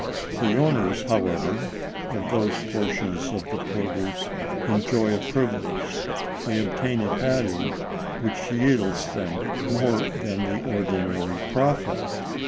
The owners, however, of those portions of the produce enjoy a privilege; they obtain a value which yields them more than the ordinary profit.